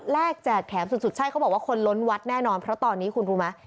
แจกแถมสุดใช่เขาบอกว่าคนล้นวัดแน่นอนเพราะตอนนี้คุณรู้ไหม